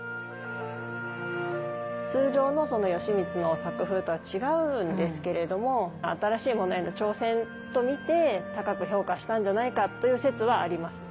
通常のその吉光の作風とは違うんですけれども新しいものへの挑戦と見て高く評価したんじゃないかという説はあります。